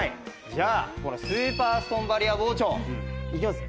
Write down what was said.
じゃあこのスーパーストーンバリア包丁。いきます。